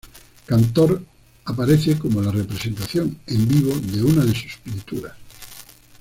Cantor aparece como la representación en vivo de una de sus pinturas.